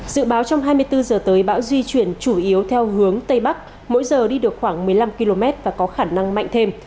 dự báo trong hai mươi bốn h tới bão di chuyển chủ yếu theo hướng tây bắc mỗi giờ đi được khoảng một mươi năm km và có khả năng mạnh thêm